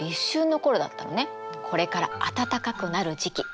これから暖かくなる時期。